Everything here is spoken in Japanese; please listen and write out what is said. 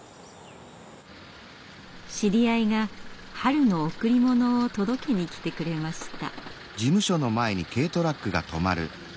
知り合いが春の贈り物を届けに来てくれました。